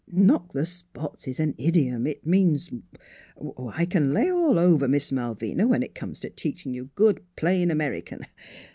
" Knock the spots is an idiom; it means er I can lay all over Miss Malvina, when it comes to teaching you good plain American.